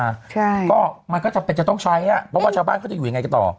ใช่ก็มันก็จำเป็นจะต้องใช้อ่ะเพราะว่าชาวบ้านเขาจะอยู่ยังไงกันต่อ